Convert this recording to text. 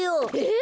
え！